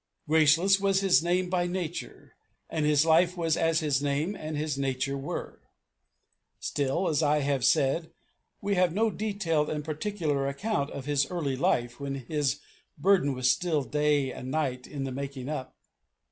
Graceless was his name by nature, and his life was as his name and his nature were. Still, as I have said, we have no detailed and particular account of his early life when his burden was still day and night in the making up.